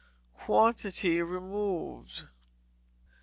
Quantity Removed.